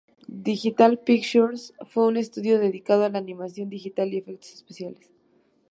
Digital Pictures fue un estudio dedicado a la animación digital y efectos especiales.